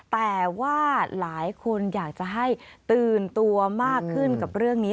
แต่ว่าหลายคนอยากจะให้ตื่นตัวมากขึ้นกับเรื่องนี้